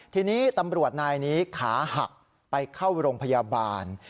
ทีนี้ตำรวจนายนี้ขาหักไปเข้าโรงพยาบาล